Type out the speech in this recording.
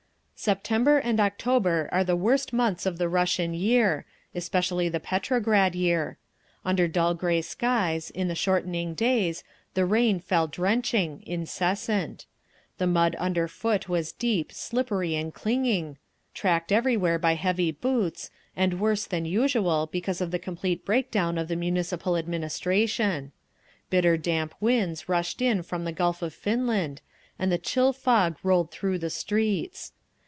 September and October are the worst months of the Russian year—especially the Petrograd year. Under dull grey skies, in the shortening days, the rain fell drenching, incessant. The mud underfoot was deep, slippery and clinging, tracked everywhere by heavy boots, and worse than usual because of the complete break down of the Municipal administration. Bitter damp winds rushed in from the Gulf of Finland, and the chill fog rolled through the streets.